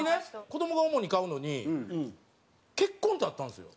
子供が主に買うのに「けっこん」ってあったんですよ。